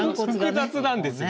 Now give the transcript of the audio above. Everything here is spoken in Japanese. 複雑なんですよね。